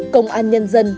công an nhân dân